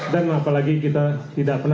dan apalagi kita tidak percaya